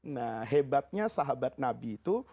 nah hebatnya sahabat nabi itu